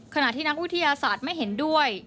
ขณะที่นักวิทยาศาสตร์ไม่เห็นด้วย